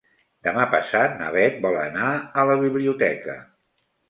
Demà passat na Beth vol anar a la biblioteca.